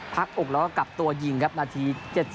อกแล้วก็กลับตัวยิงครับนาที๗๐